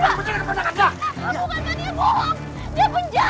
dia penjahat mau nyuling saya